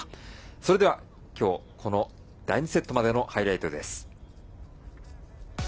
それでは、きょうこの第２セットまでのハイライトです。